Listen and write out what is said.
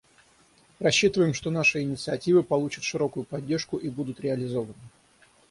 Рассчитываем, что наши инициативы получат широкую поддержку и будут реализованы.